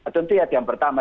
tentu ya yang pertama